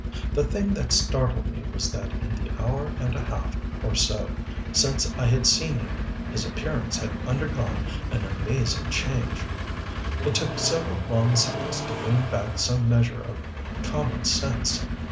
The thing that startled me was that in the hour and a half or so since I had seen him his appearance had undergone an amazing change. It took several long seconds to win back some measure of common sense.